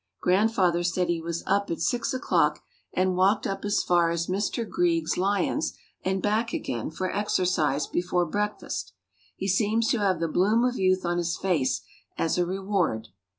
Grandfather said he was up at 6 o'clock and walked up as far as Mr. Greig's lions and back again for exercise before breakfast. He seems to have the bloom of youth on his face as a reward.